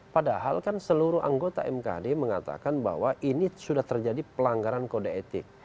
padahal kan seluruh anggota mkd mengatakan bahwa ini sudah terjadi pelanggaran kode etik